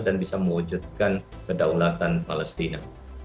dan bisa mewujudkan kedaulatan palestina